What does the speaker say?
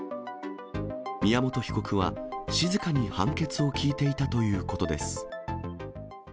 宮本被告は、静かに判決を聞いていたということです。